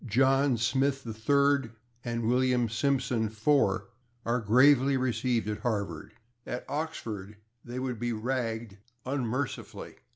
John Smith /3rd/ and William Simpson /IV/ are gravely received at Harvard; at Oxford they would be ragged unmercifully.